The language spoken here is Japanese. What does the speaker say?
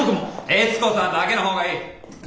悦子さんだけの方がいい。